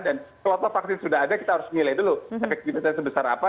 dan kalau vaksin sudah ada kita harus nilai dulu efektifitasnya sebesar apa